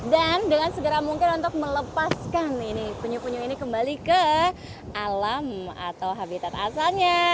dan dengan segera mungkin untuk melepaskan penyu penyu ini kembali ke alam atau habitat asalnya